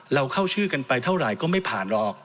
เราเข้าชื่อกันไปเท่าไหร่ก็ไม่ผ่านหรอก